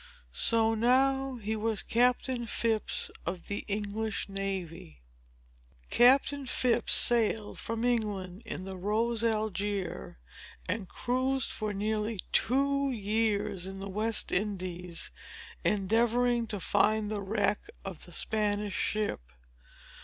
So now he was Captain Phips of the English navy. Captain Phips sailed from England in the Rose Algier, and cruised for nearly two years in the West Indies, endeavoring to find the wreck of the Spanish ship.